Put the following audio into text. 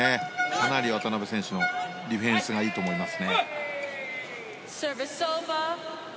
かなり渡辺選手のディフェンスがいいと思います。